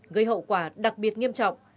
gây hậu quả đặc biệt nghiêm trọng